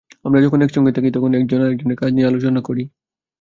আমরা যখন একসঙ্গে থাকি, তখন একজন আরেকজনের কাজ নিয়ে আলোচনা করি।